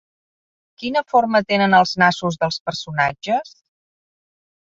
Quina forma tenen els nassos dels personatges?